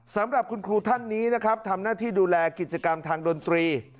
สำหรับคุณครูท่านนี้นะครับทำหน้าที่ดูแลกิจกรรมทางดนตรี